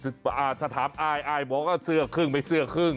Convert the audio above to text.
ถ้าถามอายอายบอกว่าเสื้อครึ่งไม่เสื้อครึ่ง